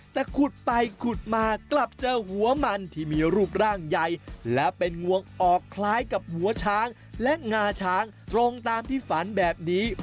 แต่ขุดไปขุดมากลับเจอหัวมันที่มีรูปร่างใหญ่และเป็นงวงออกคล้ายกับหัวช้างและงาช้างตรงตามที่ฝันแบบนี้